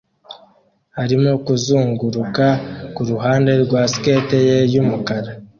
arimo kuzunguruka kuruhande rwa skate ye yumukara